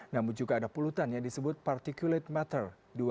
namun juga ada polutan yang disebut particulate matter dua lima